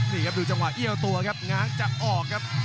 นี่ครับดูจังหวะเอี้ยวตัวครับง้างจะออกครับ